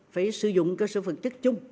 phải sử dụng cơ sở vật chất chung